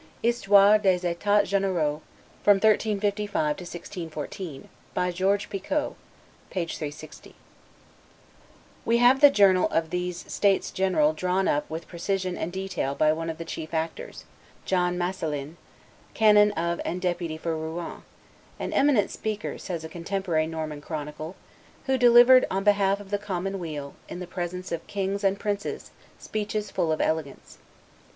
[Histoire des Etats Generaux from 1355 to 1614, by George Picot, t. i. p. 360.] We have the journal of these states general drawn up with precision and detail by one of the chief actors, John Masselin, canon of and deputy for Rouen, "an eminent speaker," says a contemporary Norman chronicle, "who delivered on behalf of the common weal, in the presence of kings and princes, speeches full of elegance."